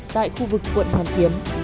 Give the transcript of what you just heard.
tại khu vực quận hà nội